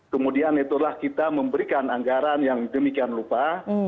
kemudian itulah kita memberikan anggaran yang demikian lupa